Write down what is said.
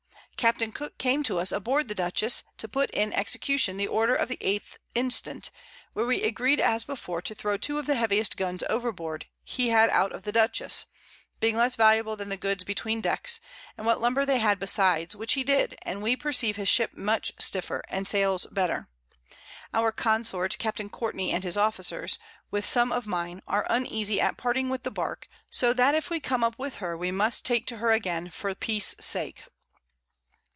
Capt. Cooke came to us a board the Dutchess, to put in Execution the Order of the 8th instant, where we agreed as before to throw 2 of the heaviest Guns over board he had out of the Dutchess, being less valuable than the Goods between Decks, and what Lumber they had besides, which he did, and we perceive his Ship much stiffer, and sails better; our Consort, Capt. Courtney and his Officers, with some of mine, are uneasie at parting with the Bark, so that if we come up with her, we must take to her again for Peace sake.